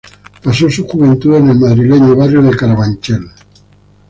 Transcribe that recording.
Pasó su juventud en el madrileño barrio de Carabanchel.